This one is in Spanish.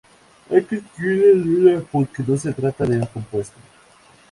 Hay que escribirlo en una, porque no se trata de un compuesto.